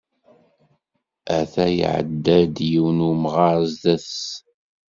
Ata ya iɛedda-d, yiwen n umɣar sdat-s.